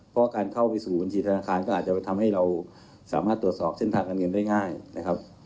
เพราะการเข้าไปสู่บัญชีธนาคารก็อาจจะทำให้เราสามารถตรวจสอบเส้นทางการเงินได้ง่ายนะครับ